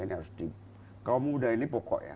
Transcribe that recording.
ini harus di kaum muda ini pokok ya